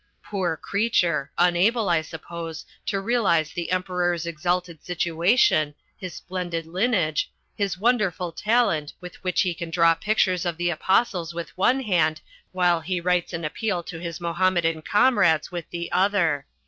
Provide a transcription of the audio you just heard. Poor creature, unable, I suppose, to realise the Emperor's exalted situation, his splendid lineage, the wonderful talent with which he can draw pictures of the apostles with one hand while he writes an appeal to his Mohammedan comrades with the other.